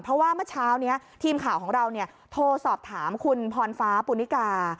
เพราะว่าเมื่อเช้านี้ทีมข่าวของเราโทรสอบถามคุณพรฟ้าปูนิกา